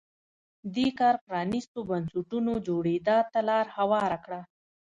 دې کار پرانیستو بنسټونو جوړېدا ته لار هواره کړه.